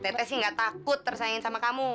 teteh sih nggak takut tersaingi sama kamu